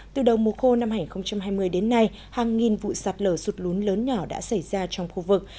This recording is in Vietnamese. từ đầu mùa khô năm hai nghìn hai mươi đến nay hàng nghìn vụ sạt lở sụt lún lớn nhỏ đã xảy ra trong khu vực